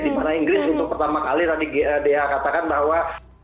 dimana inggris untuk pertama kali tadi dikatakan bahwa